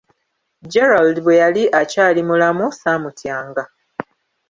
Gerald bwe yali akyali mulamu saamutyanga.